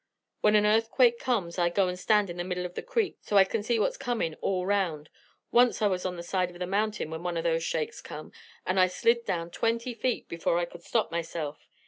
When an earthquake comes I go and stand in the middle of the creek so as I can see what's comin' all round. Once I was on the side of the mountain when one of those shakes come and I slid down twenty feet before I could stop myself.